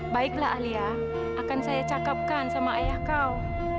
baiklah alia akan saya cakapkan sama ayah kau